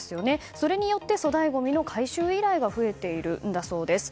それによって粗大ごみの回収依頼が増えているんだそうです。